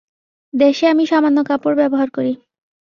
দেশে আমি সামান্য কাপড় ব্যবহার করি।